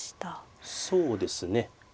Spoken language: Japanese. そうですね。